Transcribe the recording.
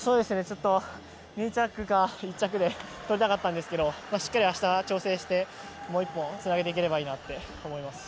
２着か１着で取りたかったんですけどしっかり明日調整して、もう１本つなげていければいいなと思います。